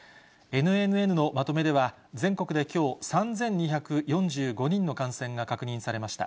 ＮＮＮのまとめでは、全国できょう、３２４５人の感染が確認されました。